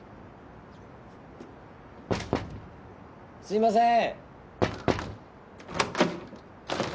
すいません。